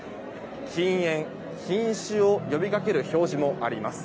禁煙、禁酒を呼びかける表示もあります。